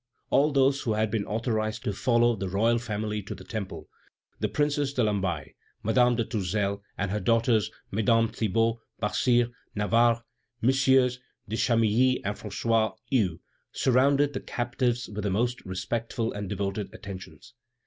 All those who had been authorized to follow the royal family to the Temple the Princess de Lamballe, Madame de Tourzel and her daughter, Mesdames Thibaud, Basire, Navarre, MM. de Chamilly and François Hue surrounded the captives with the most respectful and devoted attentions.